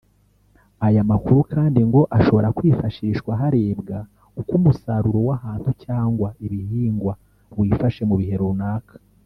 Aya makuru kandi ngo ashobora kwifashishwa harebwa uko umusaruro w’ahantu cyangwa ibihingwa wifashe mu bihe runaka